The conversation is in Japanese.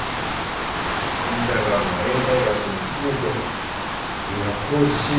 隅田川も永代橋に続いて今工事しゆう